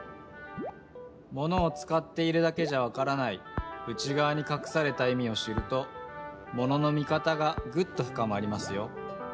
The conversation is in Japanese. ものをつかっているだけじゃわからない内がわにかくされたいみを知るとものの見方がぐっとふかまりますよ。